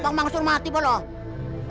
pak mansur mati pak